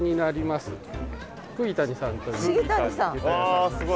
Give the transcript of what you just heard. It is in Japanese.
あすごい。